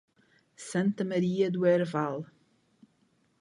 Santa Maria do Herval